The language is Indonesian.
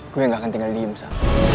gue nggak akan tinggal diem sa